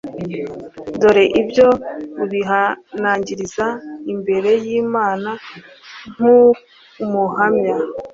dore ibyo ubihanangiriza imbere y’imana nk umuhamya